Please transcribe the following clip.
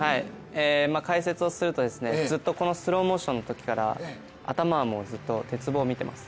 解説をするとずっとこのスローモーションのときから頭はもうずっと鉄棒を見ています。